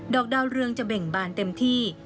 อกดาวเรืองจะเบ่งบานเต็มที่